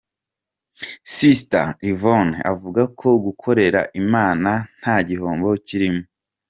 Sister Yvonne avuga ko gukorera Imana nta gihombo kirimo.